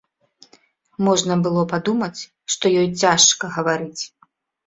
Можна было падумаць, што ёй цяжка гаварыць.